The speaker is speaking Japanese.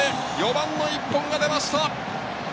４番の一本が出ました！